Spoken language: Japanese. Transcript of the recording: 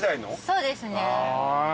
そうですね。